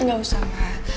gak usah ma